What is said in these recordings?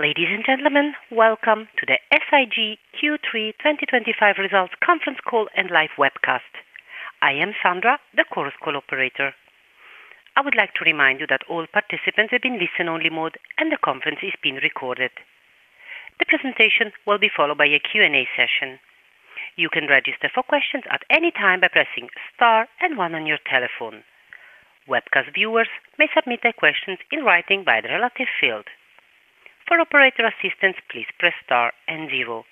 Ladies and gentlemen, welcome to the SIG Q3 2025 results conference call and live webcast. I am Sandra, the call operator. I would like to remind you that all participants are in listen-only mode and the conference is being recorded. The presentation will be followed by a Q&A session. You can register for questions at any time by pressing star and one on your telephone. Webcast viewers may submit their questions in writing via the relevant field. For operator assistance, please press star and zero.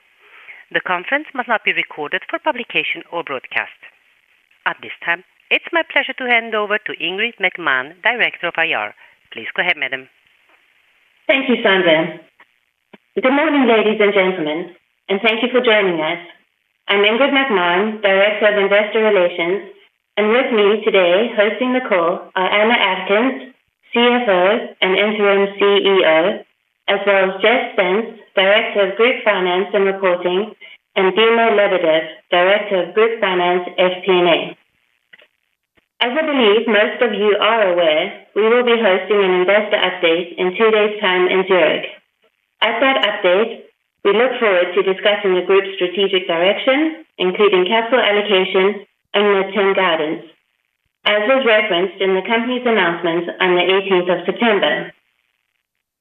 The conference must not be recorded for publication or broadcast. At this time, it's my pleasure to hand over to Ingrid McMahon, Director of Investor Relations. Please go ahead, madam. Thank you, Sandra. Good morning, ladies and gentlemen, and thank you for joining us. I'm Ingrid McMahon, Director of Investor Relations, and with me today hosting the call are Ann Erkens, CFO and interim CEO, as well as Jess Spence, Director of Group Finance and Reporting, and Dilma Lebedev, Director of Group Finance, FP&A. As I believe most of you are aware, we will be hosting an investor update in two days' time in Zurich. At that update, we look forward to discussing the group's strategic direction, including capital allocation and mid-term guidance, as was referenced in the company's announcements on the 18th of September.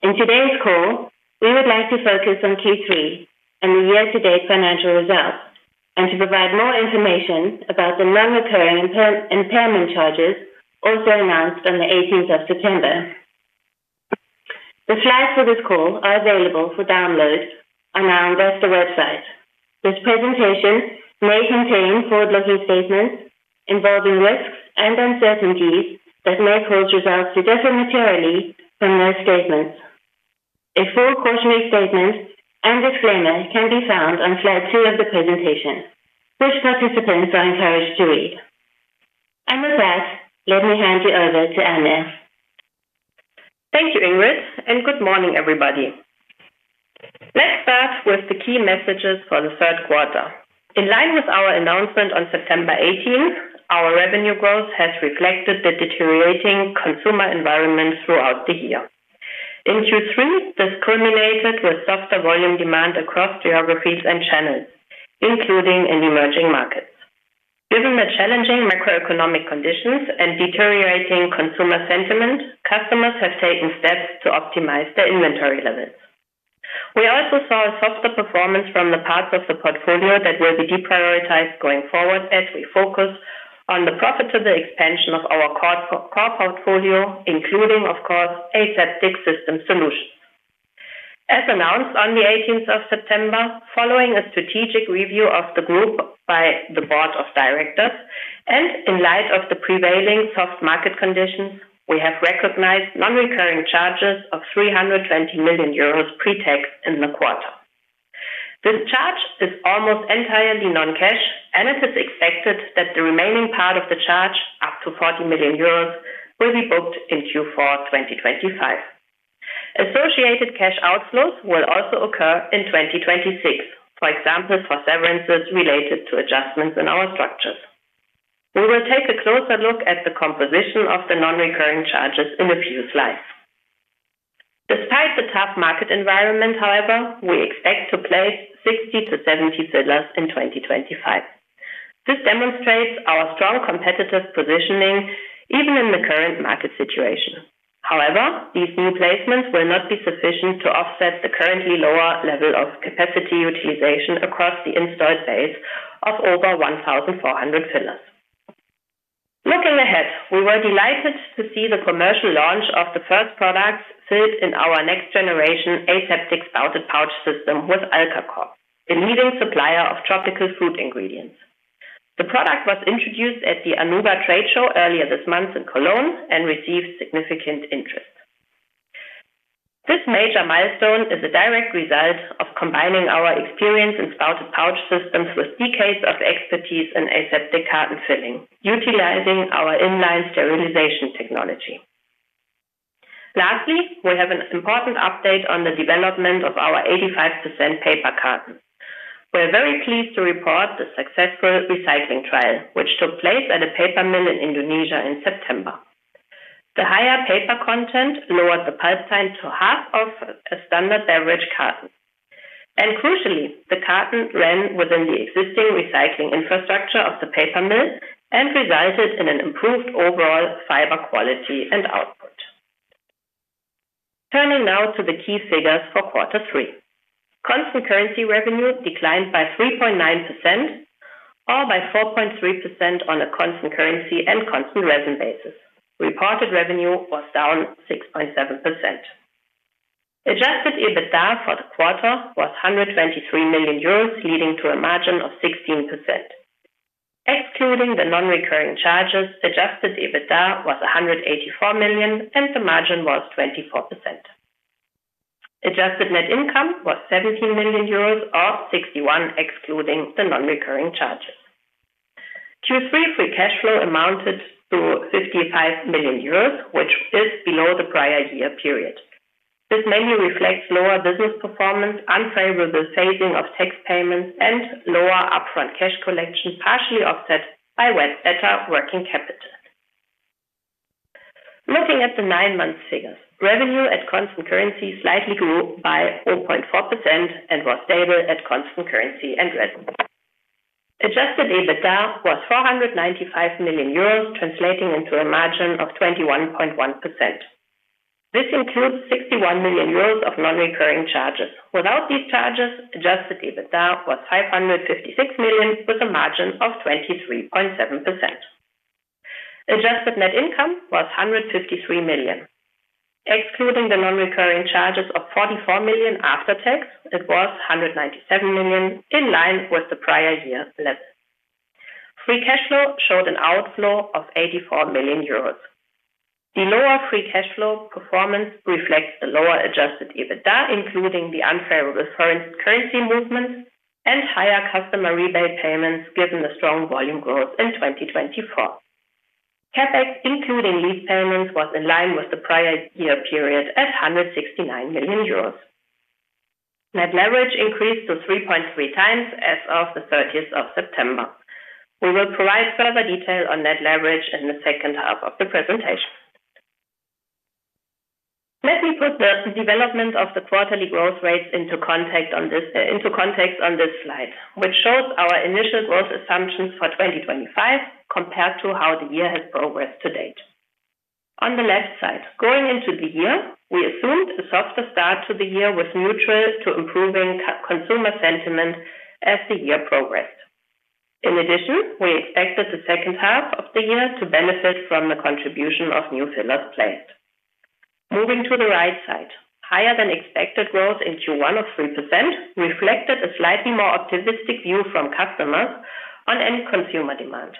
In today's call, we would like to focus on Q3 and the year-to-date financial results and to provide more information about the non-recurring impairment charges also announced on the 18th of September. The slides for this call are available for download on our investor website. This presentation may contain forward-looking statements involving risks and uncertainties that may cause results to differ materially from those statements. A full quarterly statement and disclaimer can be found on slide two of the presentation, which participants are encouraged to read. With that, let me hand you over to Ann. Thank you, Ingrid, and good morning, everybody. Let's start with the key messages for the third quarter. In line with our announcement on September 18, our revenue growth has reflected the deteriorating consumer environment throughout the year. In Q3, this culminated with softer volume demand across geographies and channels, including in emerging markets. Given the challenging macroeconomic conditions and deteriorating consumer sentiment, customers have taken steps to optimize their inventory levels. We also saw a softer performance from the parts of the portfolio that will be deprioritized going forward as we focus on the profitable expansion of our core portfolio, including, of course, aseptic system solutions. As announced on September 18, following a strategic review of the group by the Board of Directors, and in light of the prevailing soft market conditions, we have recognized non-recurring charges of €320 million pre-tax in the quarter. This charge is almost entirely non-cash, and it is expected that the remaining part of the charge, up to €40 million, will be booked in Q4 2025. Associated cash outflows will also occur in 2026, for example, for severances related to adjustments in our structures. We will take a closer look at the composition of the non-recurring charges in a few slides. Despite the tough market environment, however, we expect to place 60 to 70 fillers in 2025. This demonstrates our strong competitive positioning even in the current market situation. However, these new placements will not be sufficient to offset the currently lower level of capacity utilization across the installed base of over 1,400 fillers. Looking ahead, we were delighted to see the commercial launch of the first products filled in our next-generation aseptic spouted pouch system with Alcacor, a leading supplier of tropical fruit ingredients. The product was introduced at the Anuga Trade Show earlier this month in Cologne and received significant interest. This major milestone is a direct result of combining our experience in spouted pouch systems with decades of expertise in aseptic carton filling, utilizing our inline sterilization technology. Lastly, we have an important update on the development of our 85% paper carton. We're very pleased to report the successful recycling trial, which took place at a paper mill in Indonesia in September. The higher paper content lowered the pipeline to half of a standard beverage carton. Crucially, the carton ran within the existing recycling infrastructure of the paper mill and resulted in an improved overall fiber quality and output. Turning now to the key figures for quarter three. Constant currency revenue declined by 3.9%, or by 4.3% on a constant currency and constant revenue basis. Reported revenue was down 6.7%. Adjusted EBITDA for the quarter was €123 million, leading to a margin of 16%. Excluding the non-recurring charges, adjusted EBITDA was €184 million and the margin was 24%. Adjusted net income was €17 million, or €61 million excluding the non-recurring charges. Q3 free cash flow amounted to €55 million, which is below the prior year period. This mainly reflects lower business performance, unfavorable phasing of tax payments, and lower upfront cash collection, partially offset by better working capital. Looking at the nine-month figures, revenue at constant currency slightly grew by 4.4% and was stable at constant currency and revenue. Adjusted EBITDA was €495 million, translating into a margin of 21.1%. This includes €61 million of non-recurring charges. Without these charges, adjusted EBITDA was €556 million with a margin of 23.7%. Adjusted net income was €153 million. Excluding the non-recurring charges of €44 million after tax, it was €197 million in line with the prior year level. Free cash flow showed an outflow of €84 million. The lower free cash flow performance reflects the lower adjusted EBITDA, including the unfavorable currency movements and higher customer rebate payments given the strong volume growth in 2024. CapEx, including lease payments, was in line with the prior year period at €169 million. Net leverage increased to 3.3 times as of the 30th of September. We will provide further detail on net leverage in the second half of the presentation. Let me put the development of the quarterly growth rates into context on this slide, which shows our initial growth assumptions for 2025 compared to how the year has progressed to date. On the left side, going into the year, we assumed a softer start to the year with neutral to improving consumer sentiment as the year progressed. In addition, we expected the second half of the year to benefit from the contribution of new fillers placed. Moving to the right side, higher than expected growth in Q1 of 3% reflected a slightly more optimistic view from customers on end consumer demand.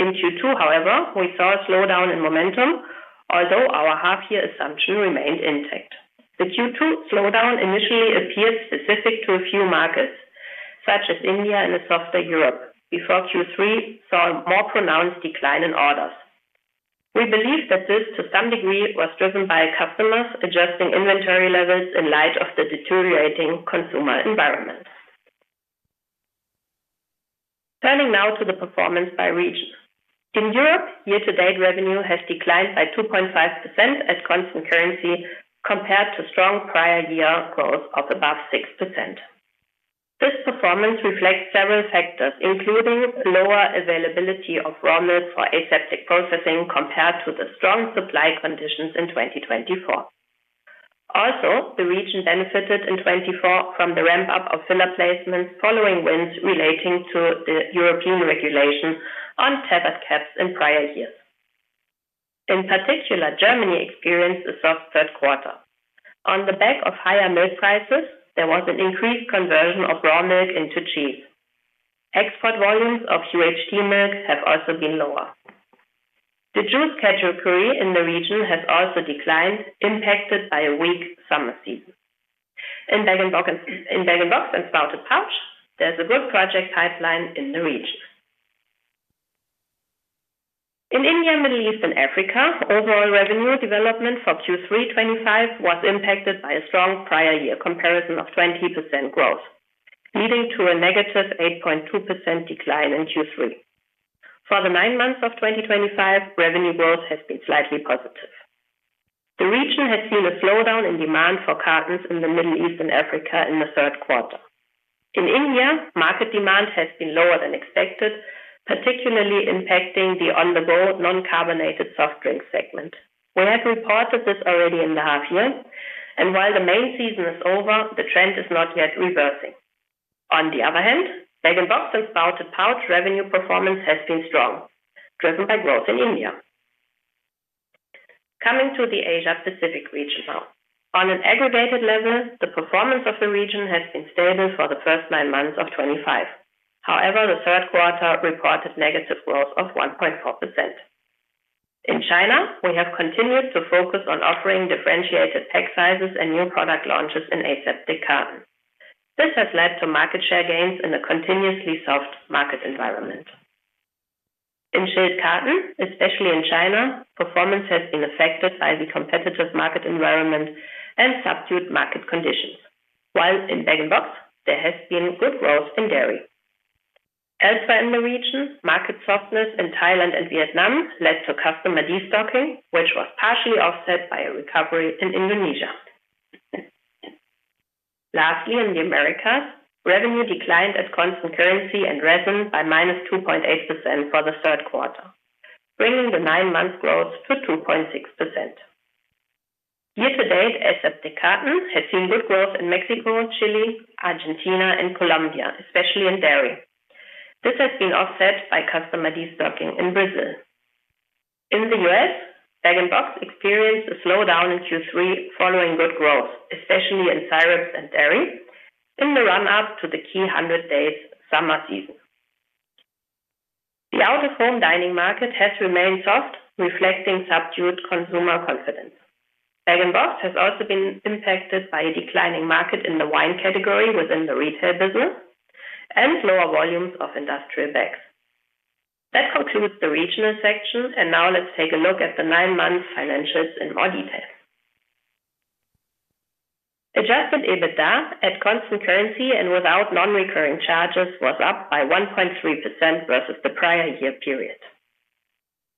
In Q2, however, we saw a slowdown in momentum, although our half-year assumption remained intact. The Q2 slowdown initially appeared specific to a few markets, such as India and a softer Europe, before Q3 saw a more pronounced decline in orders. We believe that this to some degree was driven by customers adjusting inventory levels in light of the deteriorating consumer environment. Turning now to the performance by region. In Europe, year-to-date revenue has declined by 2.5% at constant currency compared to strong prior year growth of above 6%. This performance reflects several factors, including lower availability of raw milk for aseptic processing compared to the strong supply conditions in 2024. Also, the region benefited in 2024 from the ramp-up of filler placements following wins relating to the European regulation on tethered caps in prior years. In particular, Germany experienced a soft third quarter. On the back of higher milk prices, there was an increased conversion of raw milk into cheese. Export volumes of UHT milk have also been lower. The juice category in the region has also declined, impacted by a weak summer season. In bag-in-box and spouted pouch, there's a good project pipeline in the region. In India, Middle East, and Africa, overall revenue development for Q3 2025 was impacted by a strong prior year comparison of 20% growth, leading to a negative 8.2% decline in Q3. For the nine months of 2025, revenue growth has been slightly positive. The region has seen a slowdown in demand for cartons in the Middle East and Africa in the third quarter. In India, market demand has been lower than expected, particularly impacting the on-the-go non-carbonated soft drinks segment. We have reported this already in the half-year, and while the main season is over, the trend is not yet reversing. On the other hand, bag-in-box and spouted pouch revenue performance has been strong, driven by growth in India. Coming to the Asia-Pacific region now. On an aggregated level, the performance of the region has been stable for the first nine months of 2025. However, the third quarter reported negative growth of 1.4%. In China, we have continued to focus on offering differentiated pack sizes and new product launches in aseptic carton. This has led to market share gains in a continuously soft market environment. In chilled carton, especially in China, performance has been affected by the competitive market environment and subdued market conditions, while in bag-in-box, there has been good growth in dairy. Elsewhere in the region, market softness in Thailand and Vietnam led to customer destocking, which was partially offset by a recovery in Indonesia. Lastly, in the Americas, revenue declined at constant currency and revenue by -2.8% for the third quarter, bringing the nine-month growth to 2.6%. Year-to-date aseptic carton has seen good growth in Mexico, Chile, Argentina, and Colombia, especially in dairy. This has been offset by customer destocking in Brazil. In the U.S., bag-in-box experienced a slowdown in Q3 following good growth, especially in syrups and dairy in the run-up to the key 100 days summer season. The out-of-home dining market has remained soft, reflecting subdued consumer confidence. Bag-in-box has also been impacted by a declining market in the wine category within the retail business and lower volumes of industrial bags. That concludes the regional section, and now let's take a look at the nine-month financials in more detail. Adjusted EBITDA at constant currency and without non-recurring charges was up by 1.3% versus the prior year period.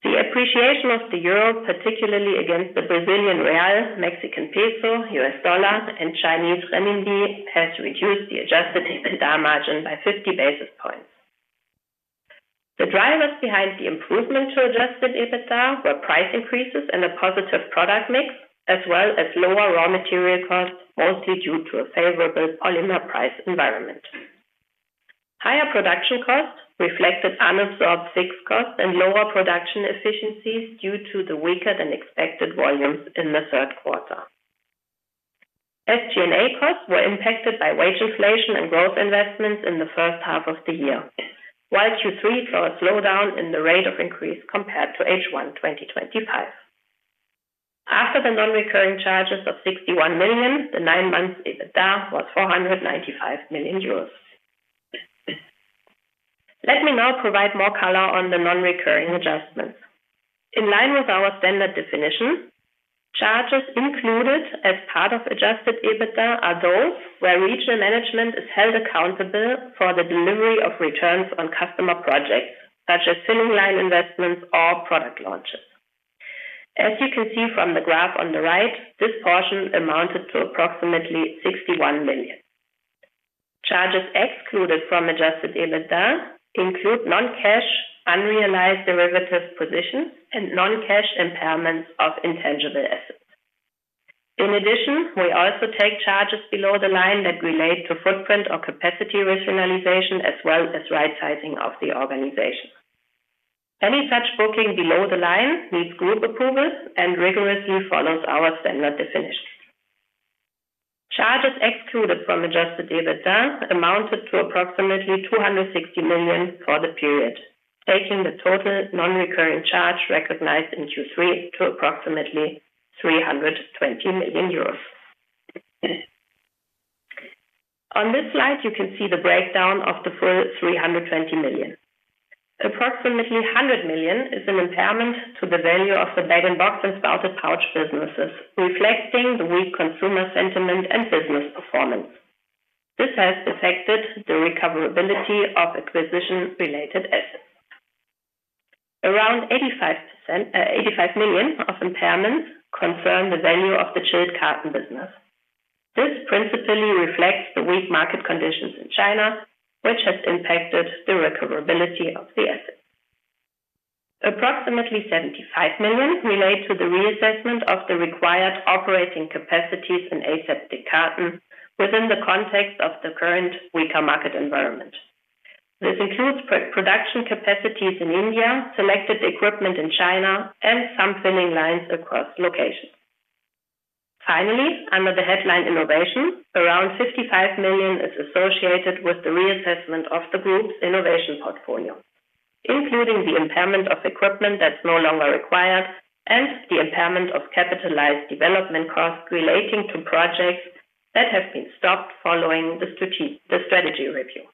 The appreciation of the euro, particularly against the Brazilian real, Mexican peso, U.S. dollar, and Chinese renminbi, has reduced the adjusted EBITDA margin by 50 basis points. The drivers behind the improvement to adjusted EBITDA were price increases and a positive product mix, as well as lower raw material costs, mostly due to a favorable polymer price environment. Higher production costs reflected unabsorbed fixed costs and lower production efficiencies due to the weaker than expected volumes in the third quarter. SG&A costs were impacted by wage inflation and growth investments in the first half of the year, while Q3 saw a slowdown in the rate of increase compared to H1 2025. After the non-recurring charges of €61 million, the nine-month EBITDA was €495 million. Let me now provide more color on the non-recurring adjustments. In line with our standard definition, charges included as part of adjusted EBITDA are those where regional management is held accountable for the delivery of returns on customer projects, such as filling line investments or product launches. As you can see from the graph on the right, this portion amounted to approximately €61 million. Charges excluded from adjusted EBITDA include non-cash, unrealized derivative positions, and non-cash impairments of intangible assets. In addition, we also take charges below the line that relate to footprint or capacity rationalization, as well as rightsizing of the organization. Any such booking below the line needs group approvals and rigorously follows our standard definition. Charges excluded from adjusted EBITDA amounted to approximately €260 million for the period, taking the total non-recurring charge recognized in Q3 to approximately €320 million. On this slide, you can see the breakdown of the full €320 million. Approximately €100 million is an impairment to the value of the bag-in-box and spouted pouch businesses, reflecting the weak consumer sentiment and business performance. This has affected the recoverability of acquisition-related assets. Around €85 million of impairments concern the value of the chilled carton business. This principally reflects the weak market conditions in China, which has impacted the recoverability of the assets. Approximately €75 million relate to the reassessment of the required operating capacities in aseptic carton within the context of the current weaker market environment. This includes production capacities in India, selected equipment in China, and some filling lines across locations. Finally, under the headline innovation, around €55 million is associated with the reassessment of the group's innovation portfolio, including the impairment of equipment that's no longer required and the impairment of capitalized development costs relating to projects that have been stopped following the strategy review.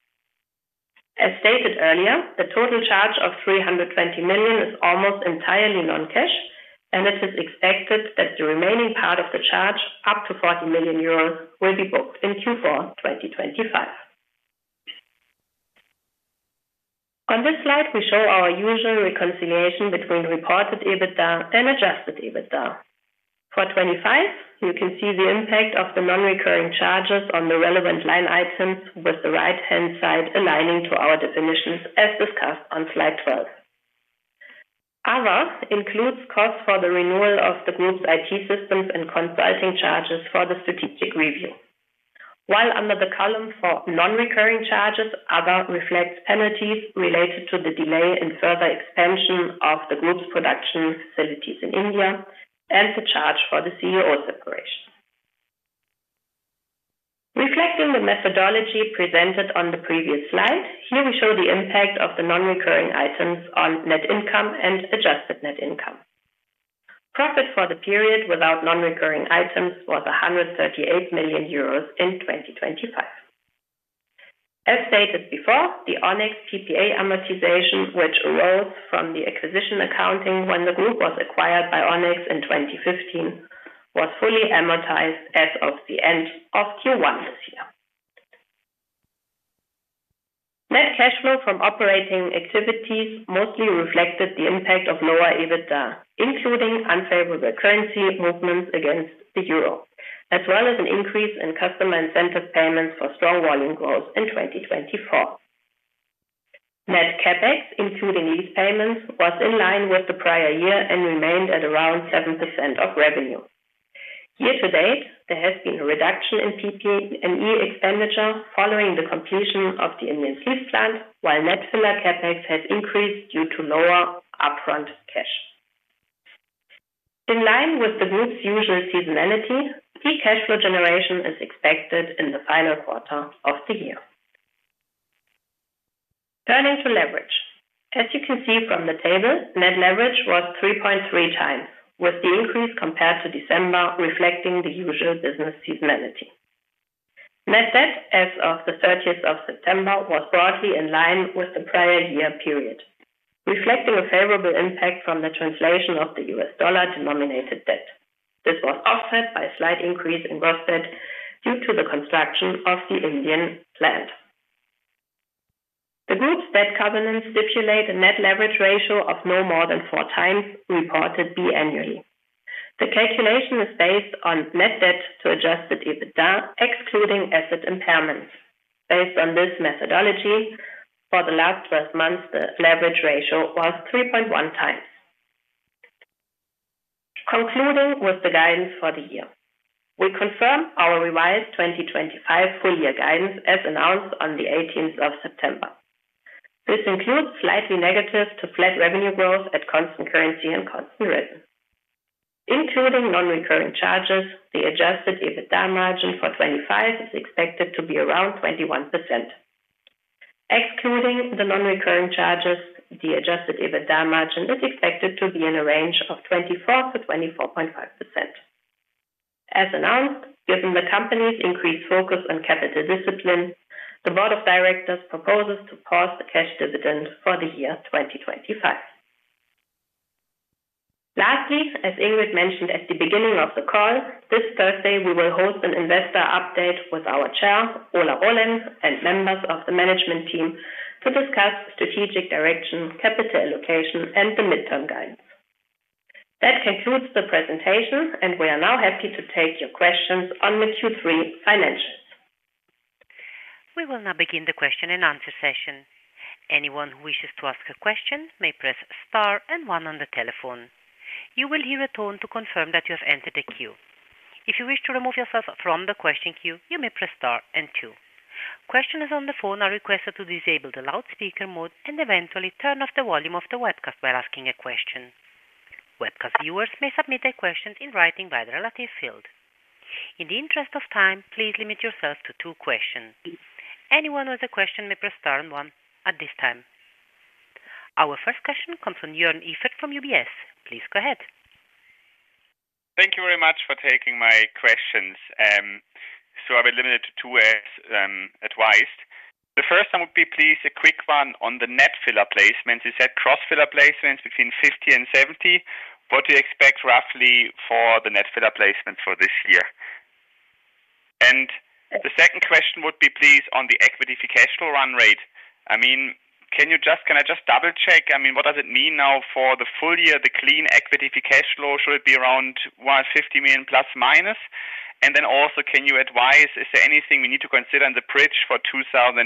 As stated earlier, the total charge of €320 million is almost entirely non-cash, and it is expected that the remaining part of the charge, up to €40 million, will be booked in Q4 2025. On this slide, we show our usual reconciliation between reported EBITDA and adjusted EBITDA. For 2025, you can see the impact of the non-recurring charges on the relevant line items with the right-hand side aligning to our definitions as discussed on slide 12. Other includes costs for the renewal of the group's IT systems and consulting charges for the strategic review. While under the column for non-recurring charges, other reflects penalties related to the delay in further expansion of the group's production facilities in India and the charge for the CEO separation. Reflecting the methodology presented on the previous slide, here we show the impact of the non-recurring items on net income and adjusted net income. Profit for the period without non-recurring items was €138 million in 2025. As stated before, the ONYX PPA amortization, which arose from the acquisition accounting when the group was acquired by ONYX in 2015, was fully amortized as of the end of Q1 this year. Net cash flow from operating activities mostly reflected the impact of lower EBITDA, including unfavorable currency movements against the euro, as well as an increase in customer incentive payments for strong volume growth in 2024. Net CapEx, including these payments, was in line with the prior year and remained at around 7% of revenue. Year to date, there has been a reduction in PP&E expenditure following the completion of the Indian Sleeve Plant, while net filler CapEx has increased due to lower upfront cash. In line with the group's usual seasonality, peak cash flow generation is expected in the final quarter of the year. Turning to leverage, as you can see from the table, net leverage was 3.3 times with the increase compared to December, reflecting the usual business seasonality. Net debt as of the 30th of September was broadly in line with the prior year period, reflecting a favorable impact from the translation of the U.S. dollar denominated debt. This was offset by a slight increase in gross debt due to the construction of the Indian plant. The group's debt covenants stipulate a net leverage ratio of no more than 4 times reported biannually. The calculation is based on net debt to adjusted EBITDA, excluding asset impairments. Based on this methodology, for the last 12 months, the leverage ratio was 3.1 times. Concluding with the guidance for the year, we confirm our revised 2025 full-year guidance as announced on the 18th of September. This includes slightly negative to flat revenue growth at constant currency and constant revenue. Including non-recurring charges, the adjusted EBITDA margin for 2025 is expected to be around 21%. Excluding the non-recurring charges, the adjusted EBITDA margin is expected to be in a range of 24%-24.5%. As announced, given the company's increased focus on capital discipline, the board of directors proposes to pause the cash dividend for the year 2025. Lastly, as Ingrid McMahon mentioned at the beginning of the call, this Thursday we will host an investor update with our Chair, Rolf Stangl, and members of the management team to discuss strategic direction, capital allocation, and the mid-term guidance. That concludes the presentation, and we are now happy to take your questions on the Q3 financials. We will now begin the question and answer session. Anyone who wishes to ask a question may press star and one on the telephone. You will hear a tone to confirm that you have entered the queue. If you wish to remove yourself from the question queue, you may press star and two. Questioners on the phone are requested to disable the loudspeaker mode and eventually turn off the volume of the webcast while asking a question. Webcast viewers may submit their questions in writing by the relative field. In the interest of time, please limit yourself to two questions. Anyone who has a question may press star and one at this time. Our first question comes from Joern Iffert from UBS. Please go ahead. Thank you very much for taking my questions. I'll be limited to two as advised. The first one would be, please, a quick one on the net filler placements. You said gross filler placements between 50 and 70. What do you expect roughly for the net filler placements for this year? The second question would be, please, on the equity cash flow run rate. I mean, can you just, can I just double-check? I mean, what does it mean now for the full year, the clean equity cash flow? Should it be around €150 million plus minus? Also, can you advise, is there anything we need to consider in the bridge for 2026,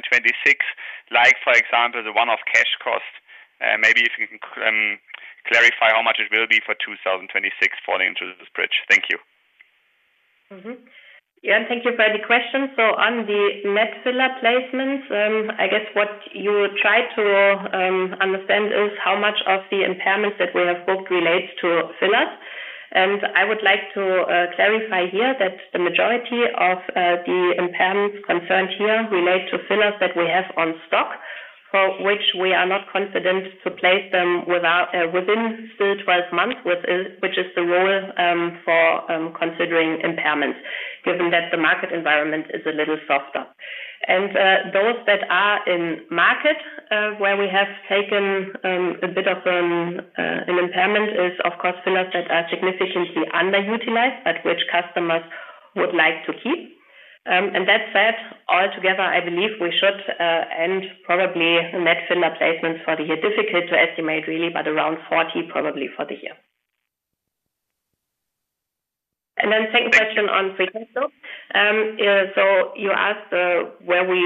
like, for example, the one-off cash cost? Maybe if you can clarify how much it will be for 2026 falling into this bridge. Thank you. Yeah, thank you for the question. On the net filler placements, I guess what you try to understand is how much of the impairments that we have booked relates to fillers. I would like to clarify here that the majority of the impairments concerned here relate to fillers that we have on stock, for which we are not confident to place them within still 12 months, which is the rule for considering impairments, given that the market environment is a little softer. Those that are in market where we have taken a bit of an impairment is, of course, fillers that are significantly underutilized, but which customers would like to keep. That said, altogether, I believe we should end probably net filler placements for the year. Difficult to estimate really, but around 40 probably for the year. The second question on free cash flow. You asked where we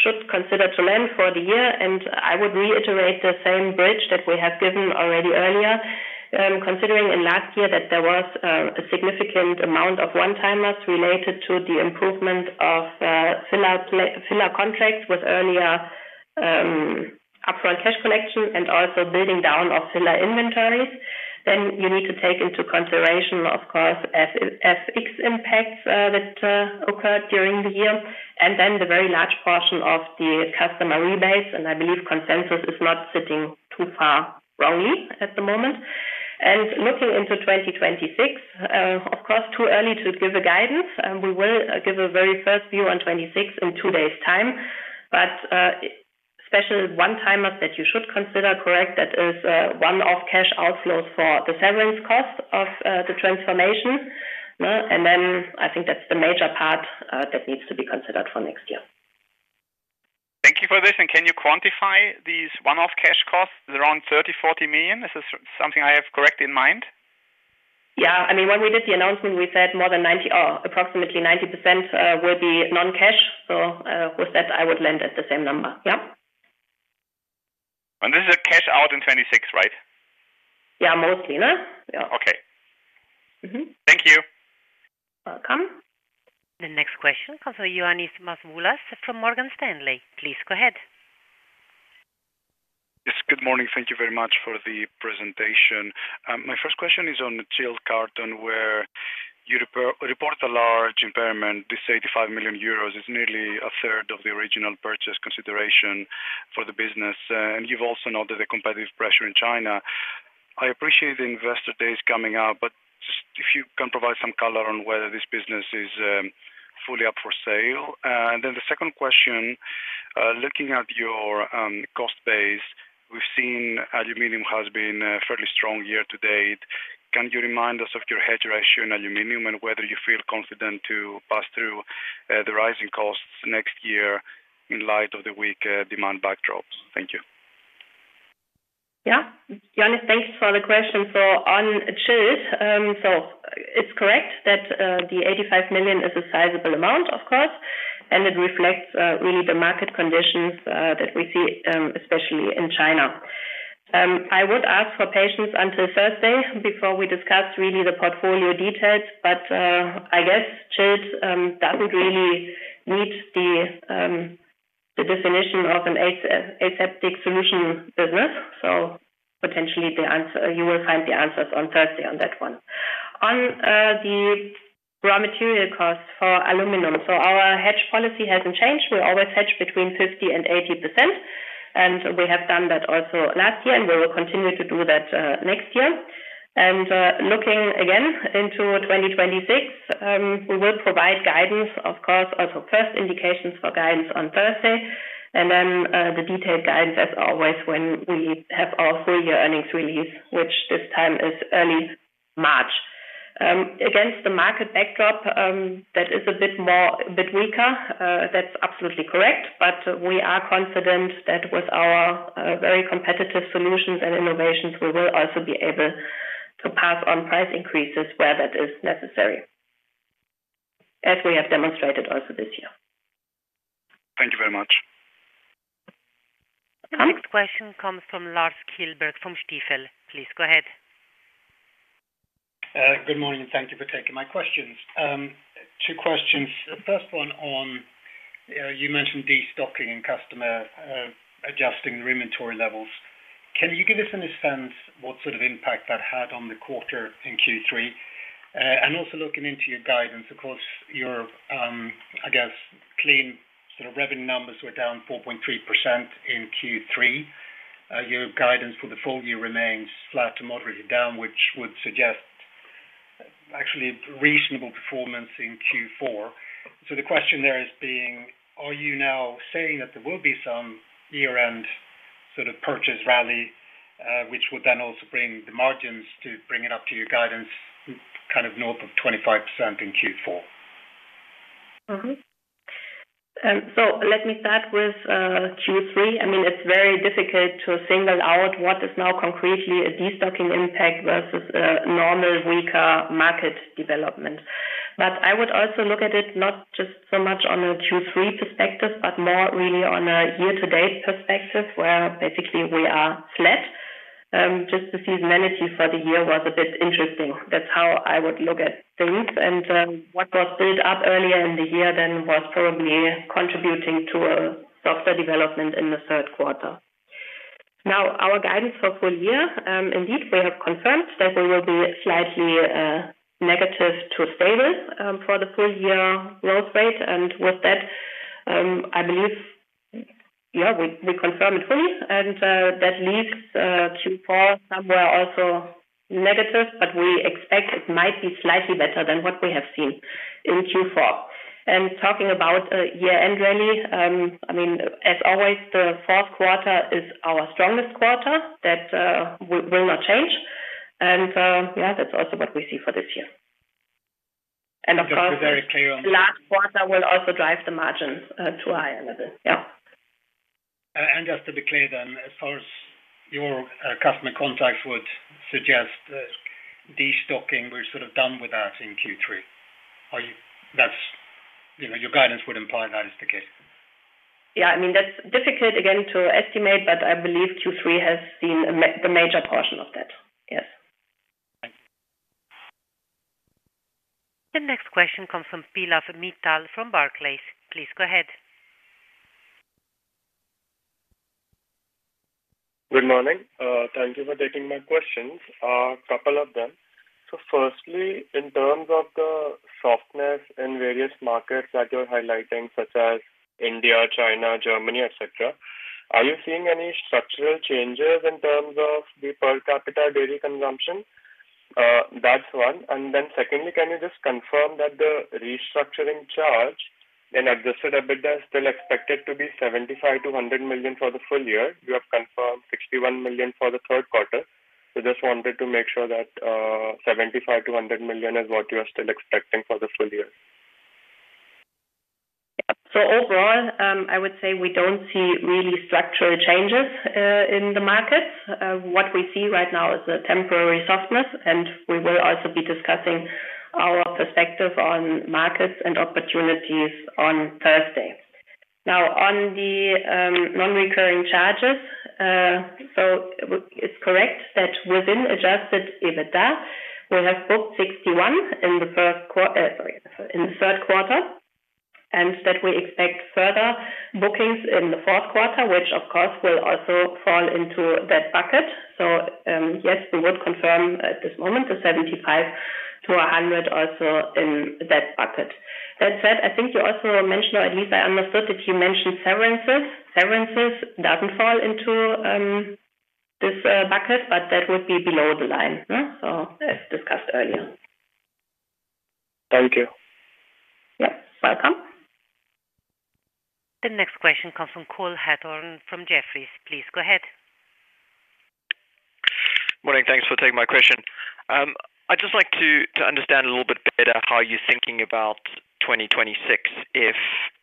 should consider to land for the year, and I would reiterate the same bridge that we have given already earlier, considering in last year that there was a significant amount of one-timers related to the improvement of filler contracts with earlier upfront cash collection and also the building down of filler inventories. You need to take into consideration, of course, the FX impacts that occurred during the year. The very large portion of the customer rebates, and I believe consensus is not sitting too far wrongly at the moment. Looking into 2026, of course, too early to give a guidance. We will give a very first view on 2026 in two days' time. Special one-timers that you should consider, correct, that is one-off cash outflows for the severance cost of the transformation. I think that's the major part that needs to be considered for next year. Thank you for this. Can you quantify these one-off cash costs around €30 million, €40 million? Is this something I have correctly in mind? Yeah, I mean, when we did the announcement, we said more than 90%, or approximately 90%, will be non-cash. With that, I would land at the same number. Yeah. This is a cash out in 2026, right? Yeah, mostly yeah. Okay, thank you. Welcome. The next question comes from Ioannis Masvoulas from Morgan Stanley. Please go ahead. Yes, good morning. Thank you very much for the presentation. My first question is on the chilled carton where you report a large impairment. This €85 million is nearly a third of the original purchase consideration for the business. You've also noted the competitive pressure in China. I appreciate the investor days coming up, but just if you can provide some color on whether this business is fully up for sale. The second question, looking at your cost base, we've seen aluminum has been fairly strong year to date. Can you remind us of your hedge ratio in aluminum and whether you feel confident to pass through the rising costs next year in light of the weak demand backdrops? Thank you. Yeah, Ioannis, thanks for the question. On chilled, it's correct that the €85 million is a sizable amount, of course, and it reflects really the market conditions that we see, especially in China. I would ask for patience until Thursday before we discuss really the portfolio details, but I guess chilled doesn't really meet the definition of an aseptic solution business. Potentially, you will find the answers on Thursday on that one. On the raw material costs for aluminum, our hedge policy hasn't changed. We always hedge between 50% and 80%. We have done that also last year, and we will continue to do that next year. Looking again into 2026, we will provide guidance, of course, also first indications for guidance on Thursday, and then the detailed guidance as always when we have our full-year earnings release, which this time is early March. Against the market backdrop that is a bit weaker, that's absolutely correct, but we are confident that with our very competitive solutions and innovations, we will also be able to pass on price increases where that is necessary, as we have demonstrated also this year. Thank you very much. The next question comes from Lars Kjellberg from Stifel. Please go ahead. Good morning, and thank you for taking my questions. Two questions. The first one, you mentioned destocking and customer adjusting their inventory levels. Can you give us a sense of what sort of impact that had on the quarter in Q3? Also, looking into your guidance, of course, I guess clean sort of revenue numbers were down 4.3% in Q3. Your guidance for the full year remains flat to moderately down, which would suggest actually reasonable performance in Q4. The question there is, are you now saying that there will be some year-end sort of purchase rally, which would then also bring the margins to bring it up to your guidance kind of north of 25% in Q4? Let me start with Q3. It's very difficult to single out what is now concretely a destocking impact versus a normal weaker market development. I would also look at it not just so much on a Q3 perspective, but more really on a year-to-date perspective where basically we are flat. The seasonality for the year was a bit interesting. That's how I would look at things. What was built up earlier in the year then was probably contributing to a softer development in the third quarter. Our guidance for full year, indeed, we have confirmed that we will be slightly negative to stable for the full year growth rate. With that, I believe, yeah, we confirm it fully. That leaves Q4 somewhere also negative, but we expect it might be slightly better than what we have seen in Q4. Talking about a year-end rally, as always, the fourth quarter is our strongest quarter. That will not change. That's also what we see for this year. Of course, the last quarter will also drive the margins to a higher level. Yeah. Just to be clear then, as far as your customer contacts would suggest, destocking, we're sort of done with that in Q3. Are you? Your guidance would imply that is the case. Yeah, I mean, that's difficult again to estimate, but I believe Q3 has seen the major portion of that. Yes. Thank you. The next question comes from Pallav Mittal from Barclays. Please go ahead. Good morning. Thank you for taking my questions. A couple of them. Firstly, in terms of the softness in various markets that you're highlighting, such as India, China, Germany, etc., are you seeing any structural changes in terms of the per capita dairy consumption? That's one. Secondly, can you just confirm that the restructuring charge and adjusted EBITDA is still expected to be €75 million-€100 million for the full year? You have confirmed €61 million for the third quarter. I just wanted to make sure that €75 million-€100 million is what you are still expecting for the full year. Yeah. Overall, I would say we don't see really structural changes in the markets. What we see right now is a temporary softness, and we will also be discussing our perspective on markets and opportunities on Thursday. Now, on the non-recurring charges, it's correct that within adjusted EBITDA, we have booked €61 million in the third quarter, and we expect further bookings in the fourth quarter, which of course will also fall into that bucket. Yes, we would confirm at this moment the €75 million-€100 million also in that bucket. That said, I think you also mentioned, or at least I understood that you mentioned severances. Severances don't fall into this bucket, but that would be below the line, as discussed earlier. Thank you. Yeah, welcome. The next question comes from Cole Hathorn from Jefferies. Please go ahead. Morning. Thanks for taking my question. I'd just like to understand a little bit better how you're thinking about 2026. If,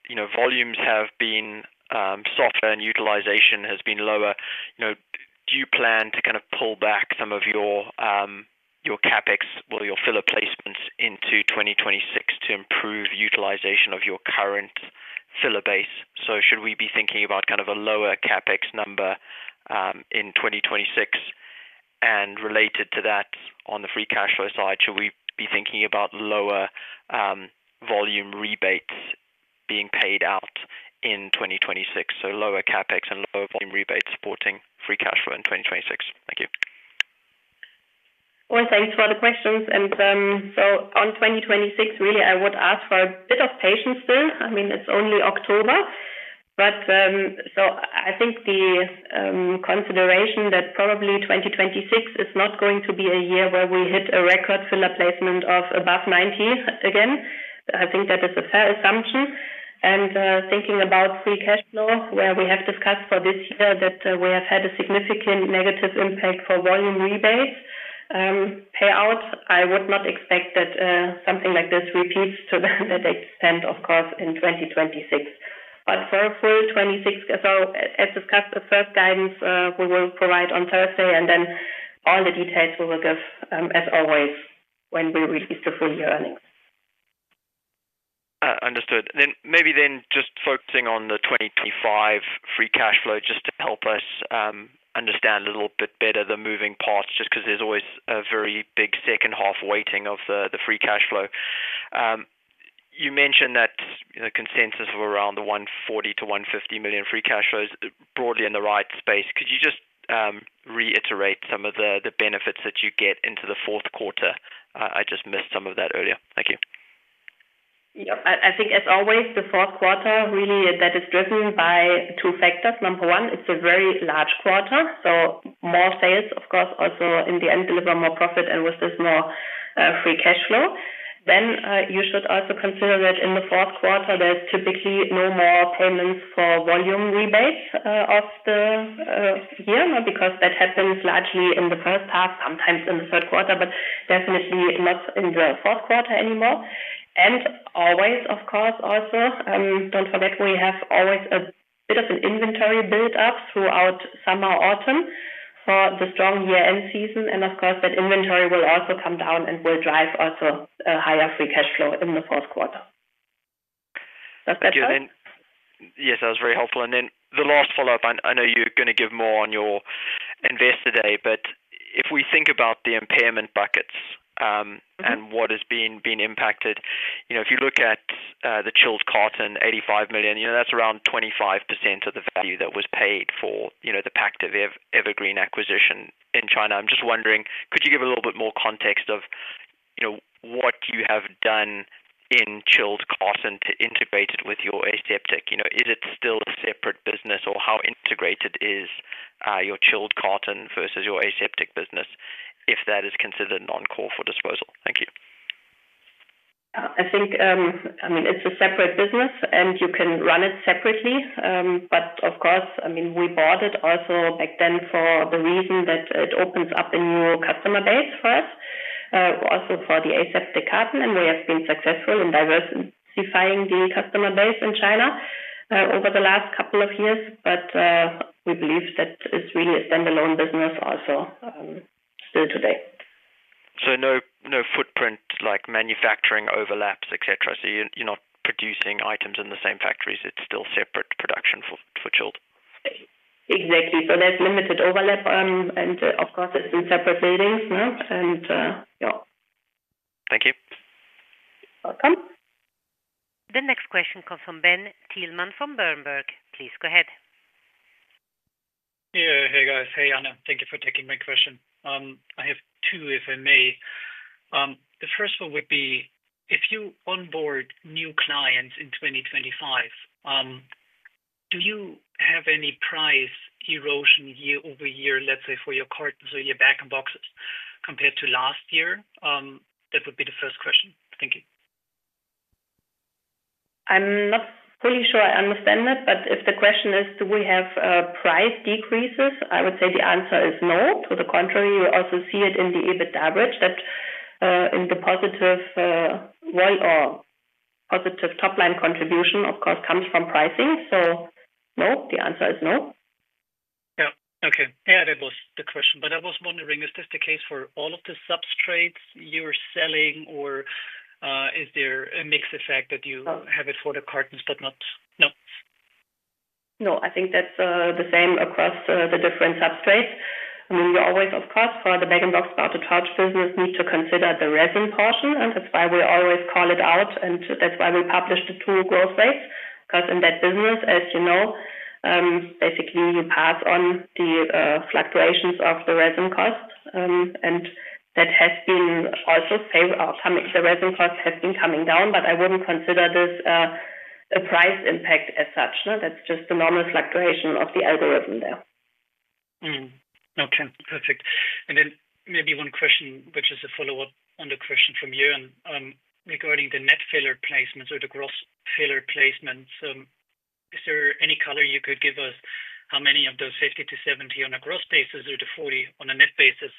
you know, volumes have been softer and utilization has been lower, do you plan to kind of pull back some of your CapEx, your filler placements into 2026 to improve utilization of your current filler base? Should we be thinking about kind of a lower CapEx number in 2026? Related to that, on the free cash flow side, should we be thinking about lower volume rebates being paid out in 2026? Lower CapEx and lower volume rebates supporting free cash flow in 2026. Thank you. Thank you for the questions. On 2026, I would ask for a bit of patience still. I mean, it's only October. I think the consideration that probably 2026 is not going to be a year where we hit a record filler placement of above 90 again is a fair assumption. Thinking about free cash flow, where we have discussed for this year that we have had a significant negative impact for volume rebates payout, I would not expect that something like this repeats to that extent, of course, in 2026. For a full 2026, as discussed, the first guidance we will provide on Thursday, and then all the details we will give as always when we release the full-year earnings. Understood. Maybe just focusing on the 2025 free cash flow to help us understand a little bit better the moving parts, just because there's always a very big second half weighting of the free cash flow. You mentioned that the consensus was around the €140 to €150 million free cash flow, broadly in the right space. Could you just reiterate some of the benefits that you get into the fourth quarter? I just missed some of that earlier. Thank you. Yeah, I think as always, the fourth quarter really is driven by two factors. Number one, it's a very large quarter, so more sales, of course, also in the end deliver more profit and with this more free cash flow. You should also consider that in the fourth quarter, there's typically no more payments for volume rebates of the year, because that happens largely in the first half, sometimes in the third quarter, but definitely not in the fourth quarter anymore. Of course, also don't forget we have always a bit of an inventory build-up throughout summer/autumn for the strong year-end season. That inventory will also come down and will drive also a higher free cash flow in the fourth quarter. Does that help? Yes, that was very helpful. The last follow-up, I know you're going to give more on your investor day, but if we think about the impairment buckets and what has been impacted, if you look at the chilled carton, €85 million, that's around 25% of the value that was paid for the Pactiv Evergreen acquisition in China. I'm just wondering, could you give a little bit more context of what you have done in chilled carton to integrate it with your aseptic? Is it still a separate business or how integrated is your chilled carton versus your aseptic business if that is considered non-core for disposal? Thank you. I think it's a separate business and you can run it separately. Of course, we bought it also back then for the reason that it opens up a new customer base for us, also for the aseptic carton. We have been successful in diversifying the customer base in China over the last couple of years. We believe that it's really a standalone business also still today. So no footprint like manufacturing overlaps, etc. You're not producing items in the same factories. It's still separate production for chilled. Exactly. There's limited overlap, and of course, it's in separate buildings. Yeah. Thank you. Welcome. The next question comes from Ben Thielmann from Berenberg. Please go ahead. Yeah, hey guys. Hey Ann, thank you for taking my question. I have two, if I may. The first one would be, if you onboard new clients in 2025, do you have any price erosion year over year, let's say for your cartons or your bag-in-boxes compared to last year? That would be the first question. Thank you. I'm not fully sure I understand that, but if the question is, do we have price decreases? I would say the answer is no. To the contrary, you also see it in the EBITDA average that in the positive wall or positive top-line contribution, of course, comes from pricing. No, the answer is no. Yeah, okay. That was the question. I was wondering, is this the case for all of the substrates you're selling, or is there a mix effect that you have it for the cartons, but not? No, I think that's the same across the different substrates. I mean, you always, of course, for the bag-in-box part of the SIG Group AG business, need to consider the resin portion. That's why we always call it out, and that's why we publish the two growth rates. In that business, as you know, basically you pass on the fluctuations of the resin cost. The resin cost has been coming down, but I wouldn't consider this a price impact as such. That's just the normal fluctuation of the algorithm there. Okay, perfect. Maybe one question, which is a follow-up on the question from you regarding the net filler placements or the gross filler placements. Is there any color you could give us how many of those 50 to 70 on a gross basis or the 40 on a net basis?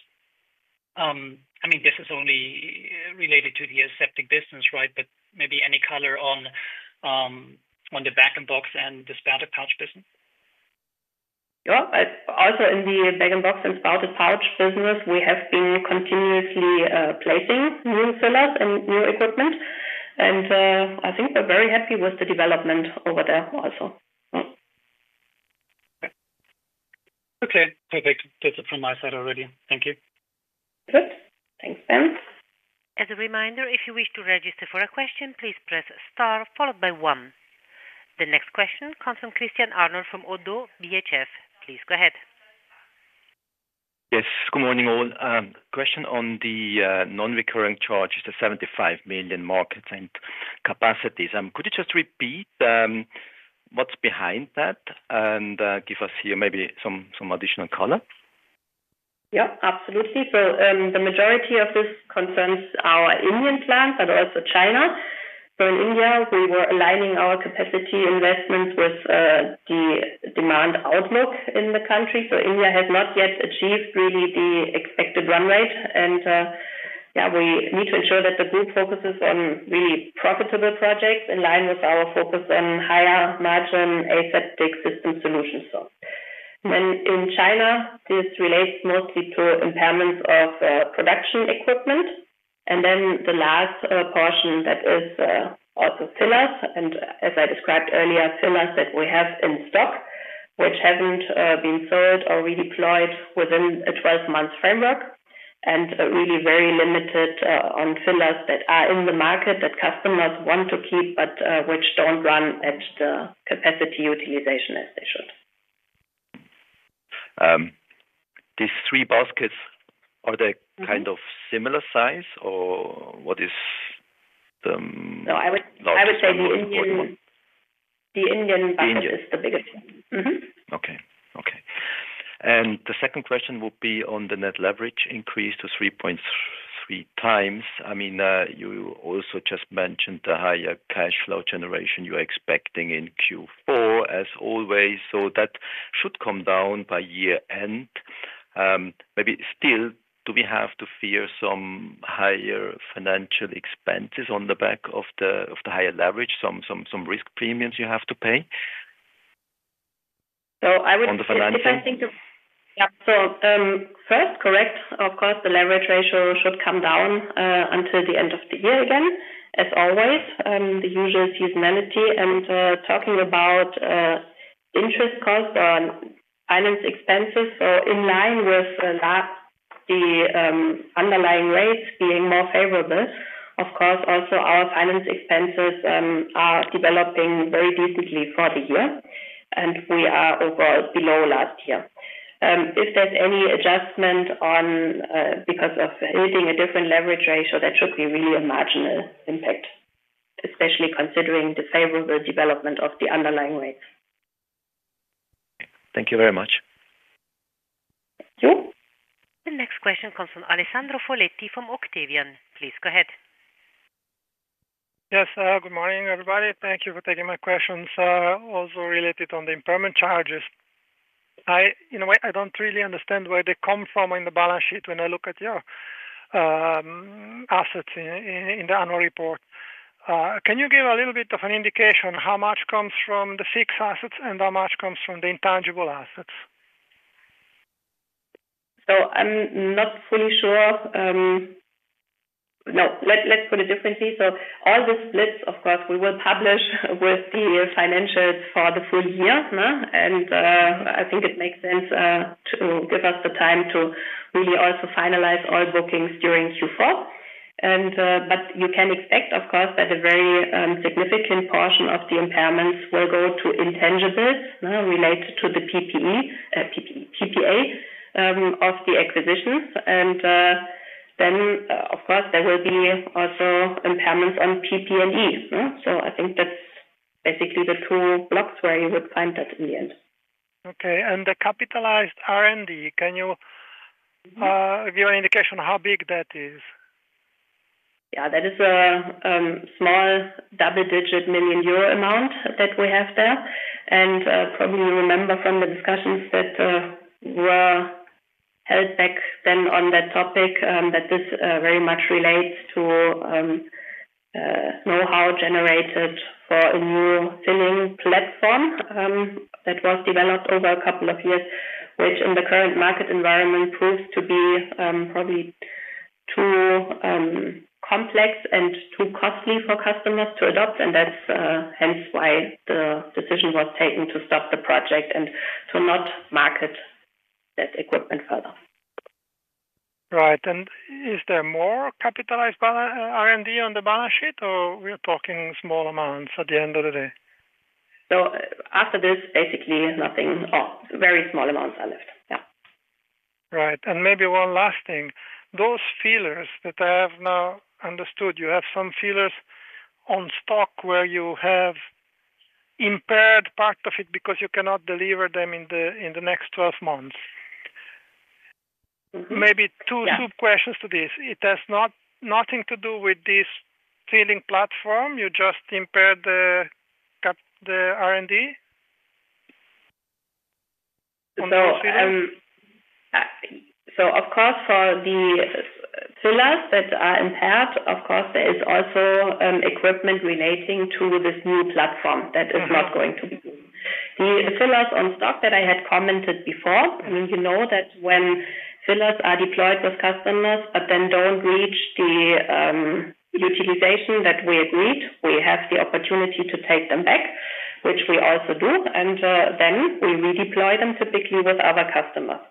I mean, this is only related to the aseptic business, right? Maybe any color on the bag-in-box and the spouted pouch business? Yeah, also in the bag-in-box and spouted pouch business, we have been continuously placing new fillers and new equipment. I think we're very happy with the development over there also. Okay, perfect. That's it from my side already. Thank you. Good. Thanks, Ben. As a reminder, if you wish to register for a question, please press star followed by one. The next question comes from Christian Arnold from Oddo BHF. Please go ahead. Yes, good morning all. Question on the non-recurring charges, the €75 million markets and capacities. Could you just repeat what's behind that and give us here maybe some additional color? Yeah, absolutely. The majority of this concerns our Indian plant and also China. In India, we were aligning our capacity investments with the demand outlook in the country. India has not yet achieved really the expected run rate. We need to ensure that the group focuses on really profitable projects in line with our focus on higher margin aseptic system solutions. In China, this relates mostly to impairments of production equipment. The last portion is also fillers, and as I described earlier, fillers that we have in stock which haven't been sold or redeployed within a 12-month framework. It is really very limited on fillers that are in the market that customers want to keep, but which don't run at the capacity utilization as they should. These three baskets, are they kind of similar size or what is the? No, I would say the Indian basket is the biggest. Okay. The second question will be on the net leverage increase to 3.3 times. I mean, you also just mentioned the higher cash flow generation you're expecting in Q4 as always. That should come down by year end. Maybe still, do we have to fear some higher financial expenses on the back of the higher leverage? Some risk premiums you have to pay? I would say, yeah, first, correct, of course, the leverage ratio should come down until the end of the year again, as always, the usual seasonality. Talking about interest costs or finance expenses, in line with the last, the underlying rates being more favorable, of course, also our finance expenses are developing very decently for the year. We are overall below last year. If there's any adjustment on because of hitting a different leverage ratio, that should be really a marginal impact, especially considering the favorable development of the underlying rates. Thank you very much. Thank you. The next question comes from Alessandro Foletti from Octavian. Please go ahead. Yes, good morning everybody. Thank you for taking my questions. Also related on the impairment charges. In a way, I don't really understand where they come from in the balance sheet when I look at your assets in the annual report. Can you give a little bit of an indication how much comes from the fixed assets and how much comes from the intangible assets? I'm not fully sure. Let's put it differently. All the splits, of course, we will publish with the financials for the full year. I think it makes sense to give us the time to really also finalize all bookings during Q4. You can expect, of course, that a very significant portion of the impairments will go to intangibles related to the PPA of the acquisitions. There will be also impairments on PP&E. I think that's basically the two blocks where you would find that in the end. Okay. The capitalized R&D, can you give an indication of how big that is? Yeah, that is a small double-digit million euro amount that we have there. You probably remember from the discussions that were held back then on that topic that this very much relates to know-how generated for a new filling platform that was developed over a couple of years, which in the current market environment proves to be probably too complex and too costly for customers to adopt. That's hence why the decision was taken to stop the project and to not market that equipment further. Right. Is there more capitalized R&D on the balance sheet, or are we talking small amounts at the end of the day? After this, basically nothing. Very small amounts are left. Right. Maybe one last thing. Those fillers that I have now understood, you have some fillers on stock where you have impaired part of it because you cannot deliver them in the next 12 months. Maybe two sub-questions to this. It has nothing to do with this filling platform. You just impaired the R&D on those fillers? For the fillers that are impaired, there is also equipment relating to this new platform that is not going to be filled. The fillers on stock that I had commented before, you know that when fillers are deployed with customers, but then don't reach the utilization that we agreed, we have the opportunity to take them back, which we also do. We redeploy them typically with other customers.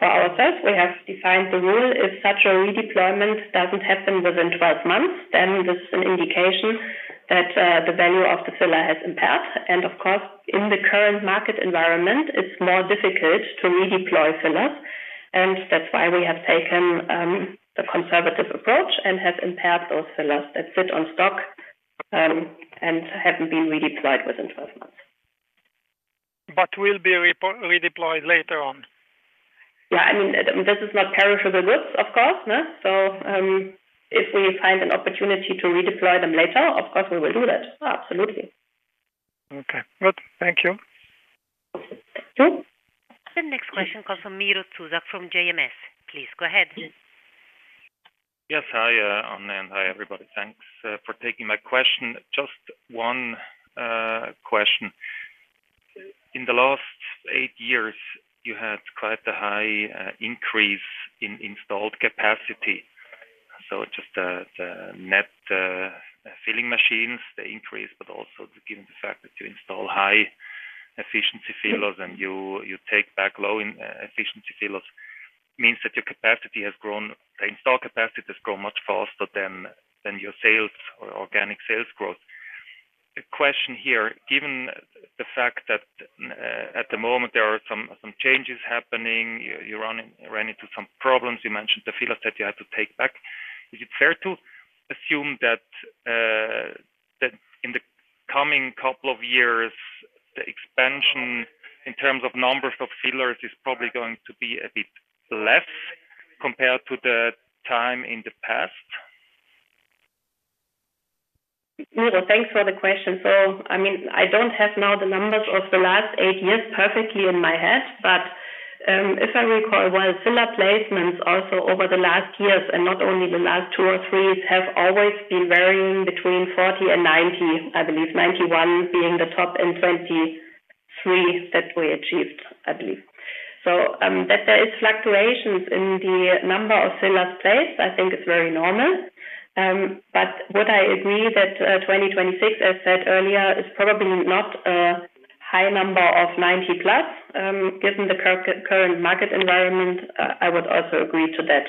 For ourselves, we have defined the rule: if such a redeployment doesn't happen within 12 months, then this is an indication that the value of the filler has impaired. In the current market environment, it's more difficult to redeploy fillers, which is why we have taken the conservative approach and have impaired those fillers that sit on stock and haven't been redeployed within 12 months. Will be redeployed later on? Yeah, I mean, this is not perishable goods, of course. If we find an opportunity to redeploy them later, of course, we will do that. Absolutely. Okay, good. Thank you. Thank you. The next question comes from Miro Zuzak from JMS. Please go ahead. Yes, hi Ann, and hi everybody. Thanks for taking my question. Just one question. In the last eight years, you had quite a high increase in installed capacity. Just the net filling machines, the increase, but also given the fact that you install high efficiency fillers and you take back low efficiency fillers, it means that your capacity has grown, the installed capacity has grown much faster than your sales or organic sales growth. The question here, given the fact that at the moment there are some changes happening, you ran into some problems. You mentioned the fillers that you had to take back. Is it fair to assume that in the coming couple of years, the expansion in terms of numbers of fillers is probably going to be a bit less compared to the time in the past? Miro, thanks for the question. I don't have now the numbers of the last eight years perfectly in my head, but if I recall, while filler placements also over the last years, and not only the last two or three, have always been varying between 40 and 90, I believe, 91 being the top and 23 that we achieved, I believe. There are fluctuations in the number of fillers placed, I think it's very normal. Would I agree that 2026, as I said earlier, is probably not a high number of 90 plus, given the current market environment, I would also agree to that.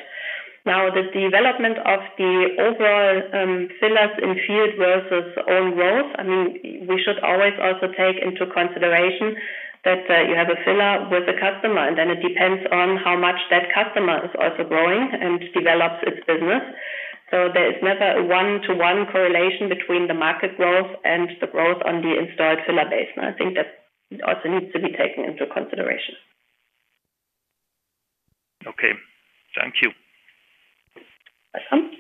Now, the development of the overall fillers in field versus own growth, we should always also take into consideration that you have a filler with a customer, and then it depends on how much that customer is also growing and develops its business. There is never a one-to-one correlation between the market growth and the growth on the installed filler base. I think that also needs to be taken into consideration. Okay, thank you. Welcome.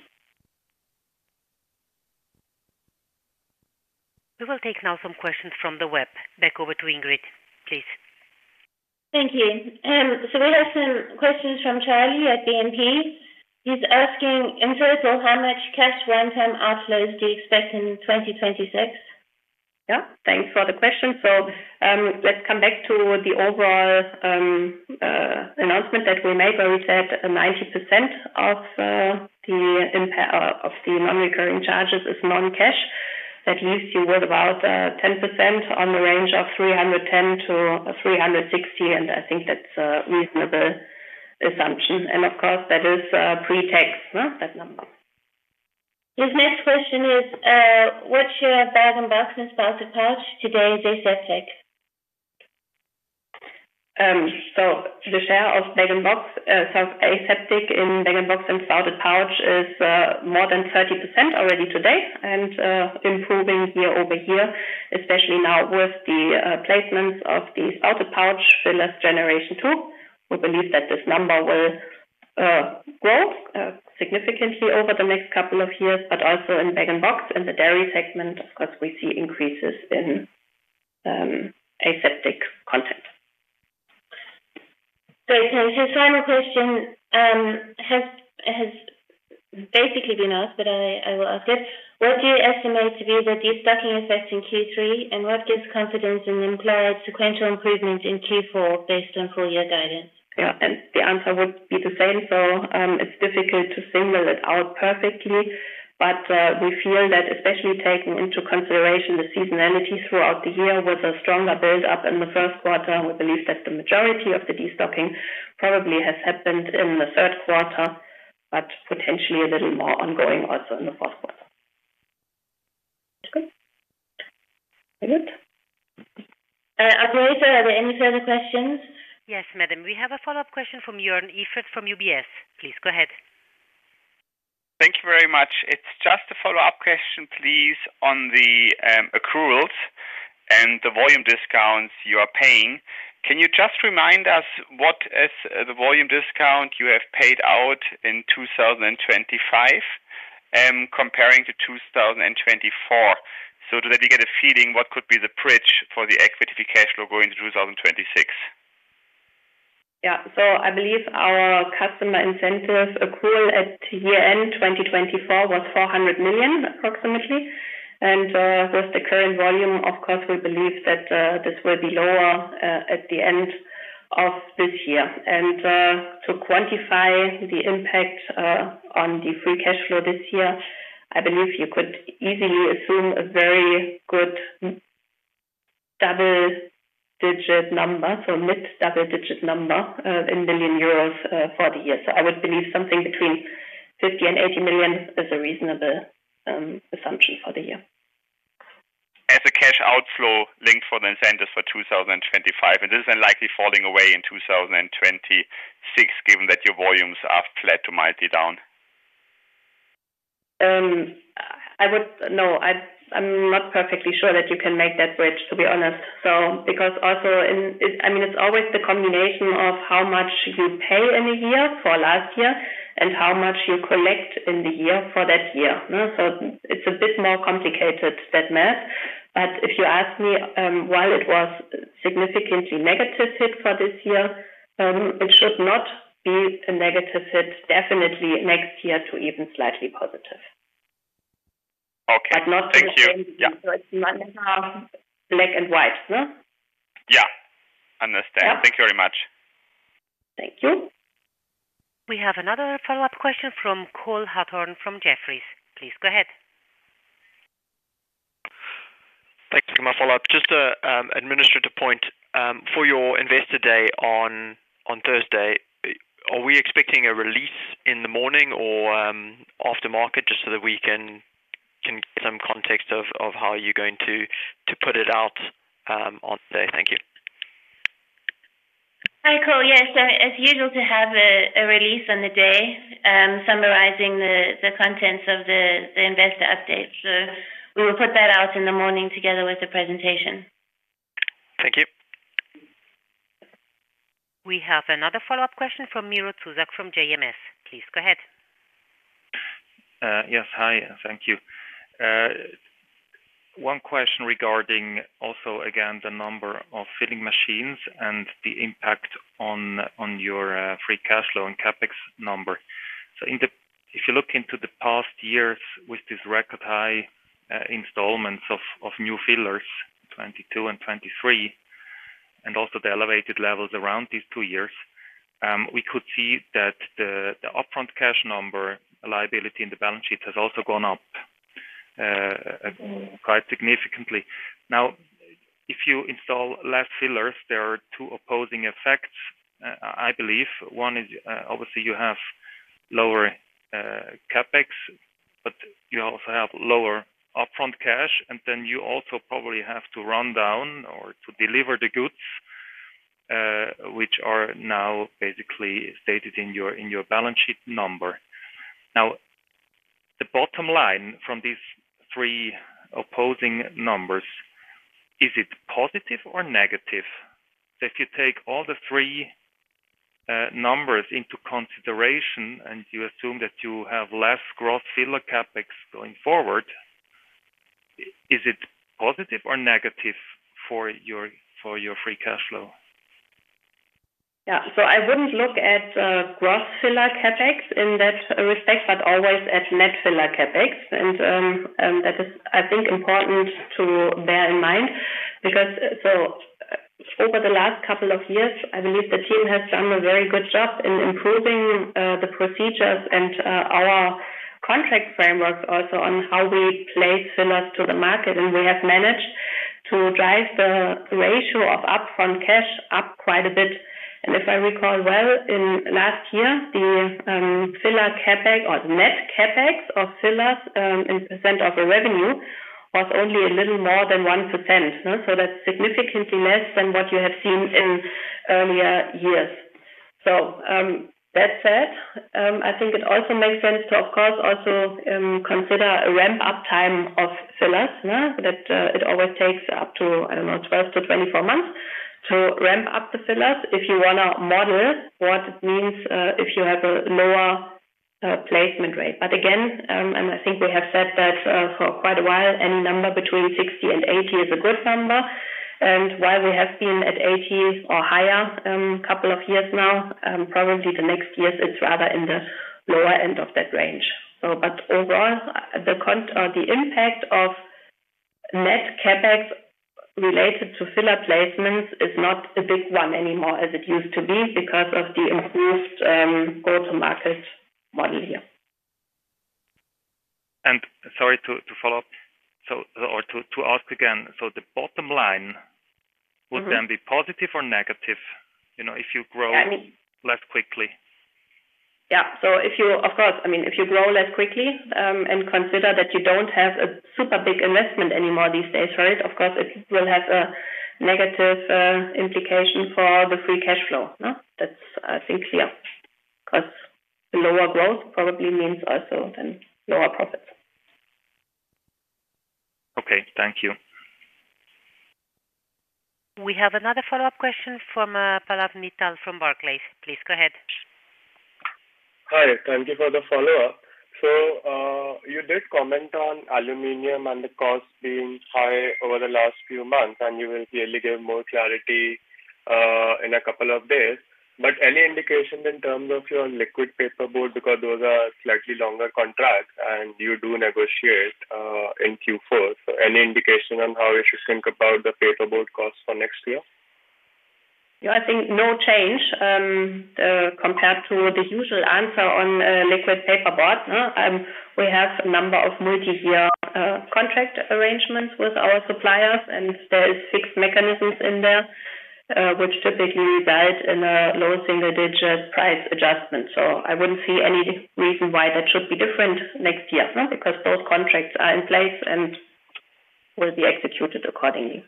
We will take now some questions from the web. Back over to Ingrid, please. Thank you. We have some questions from Charlie at BNP. He's asking, in total, how much cash one-time outflows do you expect in 2026? Yeah, thanks for the question. Let's come back to the overall announcement that we made, where we said 90% of the non-recurring charges is non-cash. That leaves you with about 10% on the range of €310 million to €360 million, and I think that's a reasonable assumption. Of course, that is pre-tax, that number. His next question is, what share of bag-in-box and spouted pouch today is aseptic? The share of bag-in-box, so aseptic in bag-in-box and spouted pouch, is more than 30% already today and improving year over year, especially now with the placements of the spouted pouch fillers generation two. We believe that this number will grow significantly over the next couple of years, but also in bag-in-box and the dairy segment, of course, we see increases in aseptic content. Great. Thank you. Final question has basically been asked, but I will ask it. What do you estimate to be the destocking effect in Q3, and what gives confidence in the employed sequential improvements in Q4 based on full-year guidance? Yeah, the answer would be the same. It's difficult to single it out perfectly, but we feel that especially taking into consideration the seasonality throughout the year with a stronger build-up in the first quarter, we believe that the majority of the destocking probably has happened in the third quarter, but potentially a little more ongoing also in the fourth quarter. Okay, very good. Are there any further questions? Yes, madam. We have a follow-up question from Joern Iffert from UBS. Please go ahead. Thank you very much. It's just a follow-up question, please, on the accruals and the volume discounts you are paying. Can you just remind us what is the volume discount you have paid out in 2025 compared to 2024? That way we get a feeling what could be the bridge for the equity cash flow going into 2026. Yeah, I believe our customer incentive accrual at year-end 2024 was approximately €400 million. With the current volume, we believe that this will be lower at the end of this year. To quantify the impact on the free cash flow this year, I believe you could easily assume a very good double-digit number, a mid-double-digit number in million euros for the year. I would believe something between €50 million and €80 million is a reasonable assumption for the year. As a cash outflow linked for the incentives for 2025, this is unlikely falling away in 2026, given that your volumes are flat to mighty down. I'm not perfectly sure that you can make that bridge, to be honest. It's always the combination of how much you pay in a year for last year and how much you collect in the year for that year. It's a bit more complicated, that math. If you ask me, while it was a significantly negative hit for this year, it should not be a negative hit, definitely next year to even slightly positive. Okay, thank you. It is never black and white, but not to the same degree. Yeah, I understand. Thank you very much. Thank you. We have another follow-up question from Cole Hathorn from Jefferies. Please go ahead. Thank you for my follow-up. Just an administrative point. For your investor day on Thursday, are we expecting a release in the morning or after market, just so that we can get some context of how you're going to put it out on today? Thank you. Hi Cole, yes, as usual we will have a release on the day summarizing the contents of the investor update. We will put that out in the morning together with the presentation. Thank you. We have another follow-up question from Miro Zuzak from JMS. Please go ahead. Yes, hi, thank you. One question regarding also again the number of filling machines and the impact on your free cash flow and CapEx number. If you look into the past years with these record high installments of new fillers, 2022 and 2023, and also the elevated levels around these two years, we could see that the upfront cash number liability in the balance sheet has also gone up quite significantly. If you install less fillers, there are two opposing effects, I believe. One is obviously you have lower CapEx, but you also have lower upfront cash, and then you also probably have to run down or to deliver the goods, which are now basically stated in your balance sheet number. The bottom line from these three opposing numbers, is it positive or negative? If you take all the three numbers into consideration and you assume that you have less gross filler CapEx going forward, is it positive or negative for your free cash flow? I wouldn't look at gross filler CapEx in that respect, but always at net filler CapEx. That is, I think, important to bear in mind because over the last couple of years, I believe the team has done a very good job in improving the procedures and our contract frameworks also on how we place fillers to the market. We have managed to drive the ratio of upfront cash up quite a bit. If I recall well, in last year, the filler CapEx or the net CapEx of fillers in % of revenue was only a little more than 1%. That's significantly less than what you have seen in earlier years. That said, I think it also makes sense to, of course, also consider a ramp-up time of fillers. It always takes up to, I don't know, 12 to 24 months to ramp up the fillers if you want to model what it means if you have a lower placement rate. Again, I think we have said that for quite a while, any number between 60 and 80 is a good number. While we have been at 80 or higher a couple of years now, probably the next years, it's rather in the lower end of that range. Overall, the impact of net CapEx related to filler placements is not a big one anymore as it used to be because of the improved go-to-market model here. Sorry to follow up, to ask again, would the bottom line then be positive or negative? You know, if you grow less quickly? Yeah, if you grow less quickly and consider that you don't have a super big investment anymore these days, it will have a negative implication for the free cash flow. That's, I think, clear because the lower growth probably means also then lower profits. Okay, thank you. We have another follow-up question from Pallav Mittal from Barclays. Please go ahead. Hi, thank you for the follow-up. You did comment on aluminum and the cost being high over the last few months, and you will clearly give more clarity in a couple of days. Any indication in terms of your liquid paperboard because those are slightly longer contracts and you do negotiate in Q4? Any indication on how we should think about the paperboard costs for next year? Yeah, I think no change compared to the usual answer on liquid paperboard. We have a number of multi-year contract arrangements with our suppliers, and there are fixed mechanisms in there, which typically result in a low single-digit price adjustment. I wouldn't see any reason why that should be different next year because both contracts are in place and will be executed accordingly.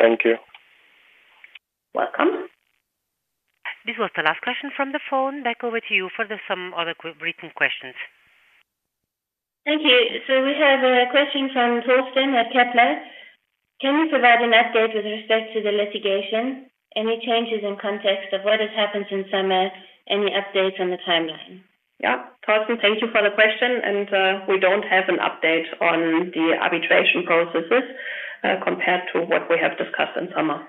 Thank you. Welcome. This was the last question from the phone. Back over to you for some other written questions. Thank you. We have a question from Thorsten at CapLabs. Can you provide an update with respect to the litigation? Any changes in context of what has happened since summer? Any updates on the timeline? Thank you for the question. We don't have an update on the arbitration processes compared to what we have discussed in summer.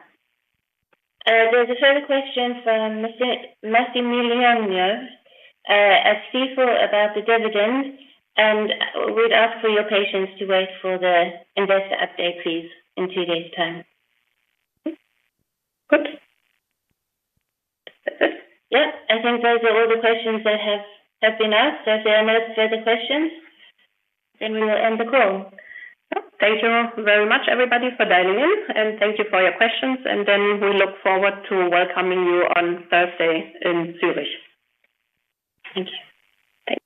There's a further question from Massimiliano at Stifel about the dividend. We'd ask for your patience to wait for the investor update, please, in two days' time. Good. I think those are all the questions that have been asked. If there are no further questions, we will end the call. Thank you all very much, everybody, for dialing in. Thank you for your questions. We look forward to welcoming you on Thursday in Zurich. Thank you. Thanks.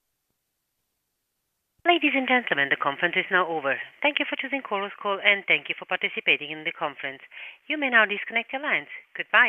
Ladies and gentlemen, the conference is now over. Thank you for choosing this call, and thank you for participating in the conference. You may now disconnect your lines. Goodbye.